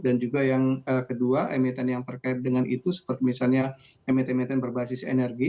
dan juga yang kedua emiten yang terkait dengan itu seperti misalnya emiten emiten berbasis energi